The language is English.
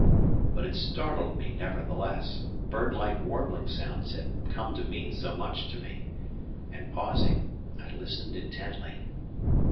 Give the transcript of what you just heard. But it startled me nevertheless bird like warbling sounds had come to mean so much to me and pausing, I listened intently.